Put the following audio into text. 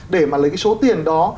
để mà lấy cái số tiền đó